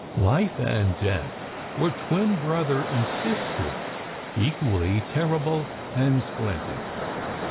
Life and death were twin brother and sister, equally terrible and splendid.